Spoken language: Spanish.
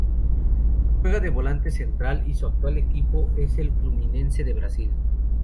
Juega de volante central y su actual equipo es el Fluminense de Brasil.